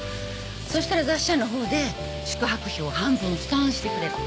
そしたら雑誌社の方で宿泊費を半分負担してくれるの。